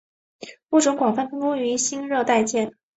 物种广泛分布于新热带界。